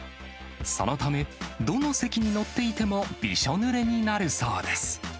そのため、どの席に乗っていてもびしょぬれになるそうです。